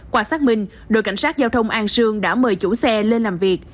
qua xác minh đội cảnh sát giao thông an sương đã mời chủ xe lên làm việc